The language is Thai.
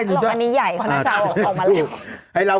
อันนี้ใหญ่ของพระเจ้าออกมาลง